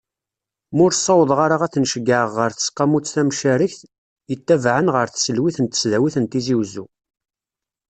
Ma ur ssawḍeɣ ara ad ten-ceyyɛeɣ ɣer tseqqamut tamcarekt, yettabaɛen ɣer tselwit n tesdawit n Tizi Uzzu.